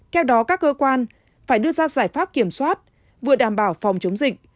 theo đó các cơ quan phải đưa ra giải pháp kiểm soát vừa đảm bảo phòng chống dịch